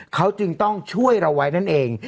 เขาจึงต้องช่วยเราไว้นั่นเอง